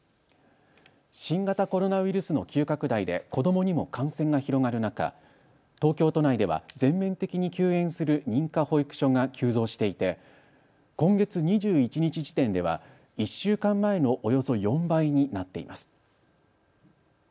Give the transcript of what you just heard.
新型コロナウイルスの急拡大で子どもにも感染が広がる中、東京都内では全面的に休園する認可保育所が急増していて今月２１日時点では１週間前のおよそ４倍になっています。